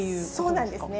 そうなんですね。